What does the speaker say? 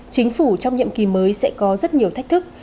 chính phủ trong nhiệm kỳ mới sẽ có rất nhiều thách thức